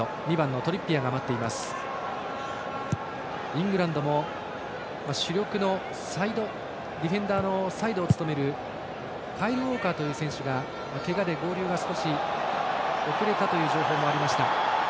イングランドも主力のディフェンダーのサイドを務めるカイル・ウォーカーという選手がけがで合流が少し遅れたという情報もありました。